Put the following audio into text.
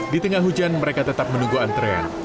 di tengah hujan mereka tetap menunggu antrean